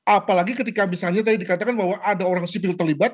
apalagi ketika misalnya tadi dikatakan bahwa ada orang sipil terlibat